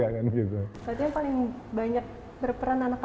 berarti yang paling banyak